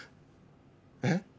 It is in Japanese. えっ？